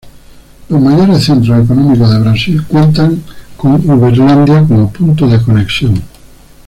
Los mayores centros económicos de Brasil cuentan con Uberlândia como punto de conexión.